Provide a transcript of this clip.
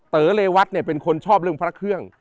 เต๋อเรวัตเนี่ยเป็นคนชอบเรื่องพระเครื่อง